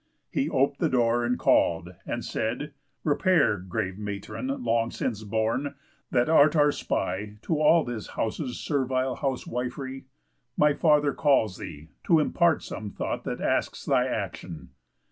He op'd the door, and call'd, and said: "Repair, Grave matron long since born, that art our spy To all this house's servile housewif'ry; My father calls thee, to impart some thought That asks thy action."